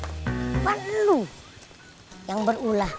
bukan lu yang berulah